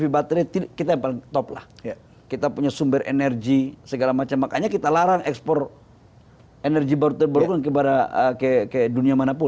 baterai kita kita punya sumber energi segala macam makanya kita larang ekspor energi baru terburuk kepada